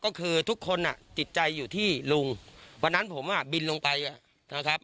ก็คือทุกคนอ่ะจิตใจอยู่ที่ลุงวันนั้นผมอ่ะบินลงไปนะครับ